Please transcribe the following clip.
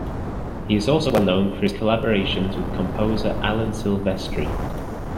He is also well known for his collaborations with composer Alan Silvestri.